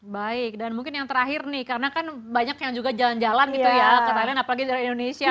baik dan mungkin yang terakhir nih karena kan banyak yang juga jalan jalan gitu ya ke thailand apalagi dari indonesia